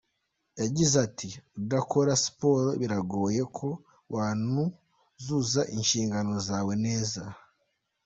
Yagize ati "Udakora siporo biragoye ko wanuzuza inshingano zawe neza.